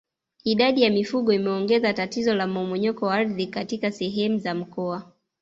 Idadi ya mifugo imeongeza tatizo la mmomonyoko wa ardhi katika sehemu za mkoa